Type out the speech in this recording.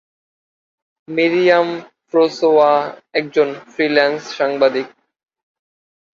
Miriam François একজন freelance সাংবাদিক।